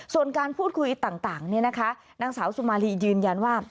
ส่วนการพูดคุยต่างนางสาวสุมารียืนยันว่า